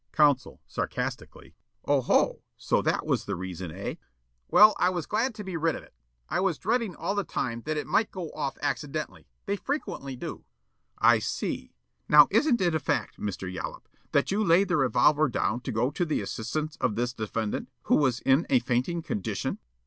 Counsel, sarcastically: "Oho! so that was the reason, eh?" Yollop: "Well, I was glad to be rid of it. I was dreading all the time that it might go off accidentally. They frequently do." Counsel: "I see. Now, isn't it a fact, Mr. Yollop, that you laid the revolver down to go to the assistance of this defendant who was in a fainting condition?"